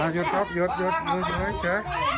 หยุดครบหยุดหยุดหยุด